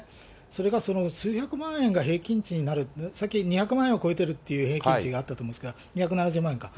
それが数百万円平均値になる、さっき２００万円を超えてるっていう平均値があったと思うんですが、２７０万円か。